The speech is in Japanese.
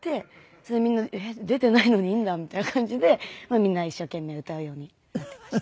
それでみんなえっ出ていないのにいいんだみたいな感じでまあみんな一生懸命歌うようになっていました。